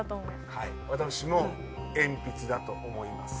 はい私も鉛筆だと思います